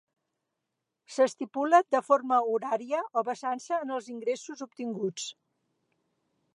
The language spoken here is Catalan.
S'estipula de forma horària o basant-se en els ingressos obtinguts.